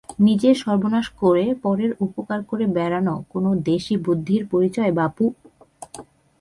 নিজের সর্বনাশ করে পরের উপকার করে বেড়ানো কোন দেশী বুদ্ধির পরিচয় বাপু?